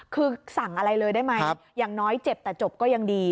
คือสั่งอะไรเลยได้ไหมอย่างน้อยเจ็บแต่จบก็ยังดี